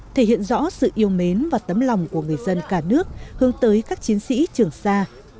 thể hiện rõ sự yêu mến và tấm lòng của người dân cả nước hướng tới các chiến sĩ trường sa